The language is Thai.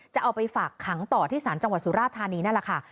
จะเอาไปฝากขังต่อที่ศาลจังหวัดสุราธานีนั่นแหละค่ะ